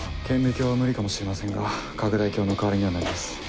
顕微鏡は無理かもしれませんが拡大鏡の代わりにはなります。